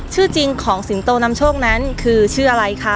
ชื่อจริงของสิงโตนำโชคนั้นคือชื่ออะไรคะ